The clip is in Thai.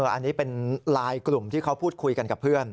อันนี้เป็นไลน์กลุ่มที่เขาพูดคุยกันกับเพื่อน